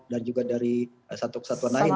dan juga dari satu satuan lain